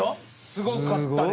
すごかったです